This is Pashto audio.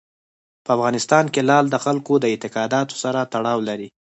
په افغانستان کې لعل د خلکو د اعتقاداتو سره تړاو لري.